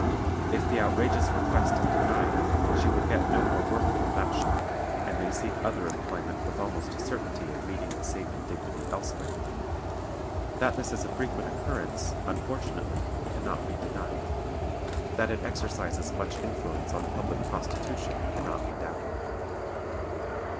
If the outrageous request is denied, she will get no more work from that shop, and may seek other employment with almost a certainty of meeting the same indignity elsewhere. That this is a frequent occurrence, unfortunately, can not be denied: that it exercises much influence on public prostitution can not be doubted.